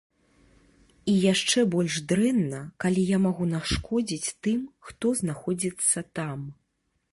І яшчэ больш дрэнна, калі я магу нашкодзіць тым, хто знаходзіцца там.